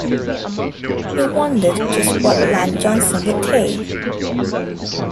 He wondered just what line Johnson would take.